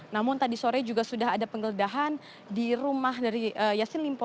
namun tadi sore juga sudah ada penggeledahan di rumah dari yassin limpo